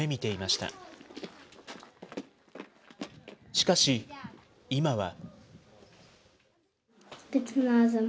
しかし、今は。